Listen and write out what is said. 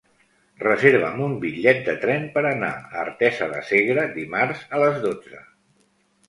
Reserva'm un bitllet de tren per anar a Artesa de Segre dimarts a les dotze.